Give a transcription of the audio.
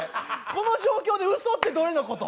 この状況でうそってどれのこと？